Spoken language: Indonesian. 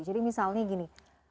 jadi misalnya gini